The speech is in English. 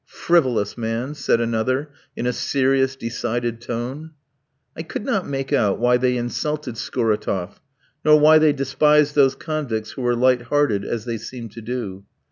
"Frivolous man!" said another in a serious, decided tone. I could not make out why they insulted Scuratoff, nor why they despised those convicts who were light hearted, as they seemed to do.